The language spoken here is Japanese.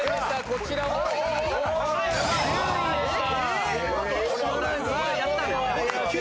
こちらは９位でした。